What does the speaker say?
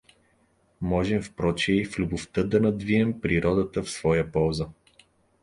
Можем прочее и в любовта да надвием природата в своя полза.